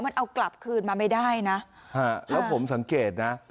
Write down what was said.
มันเอากลับคืนมาไม่ได้นะแล้วผมสังเกตนะ